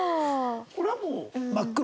これはもう。